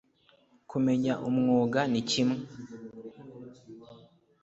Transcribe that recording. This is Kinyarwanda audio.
Kumenya umwuga ni kimwe